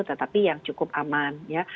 tetapi yang cukup aman ya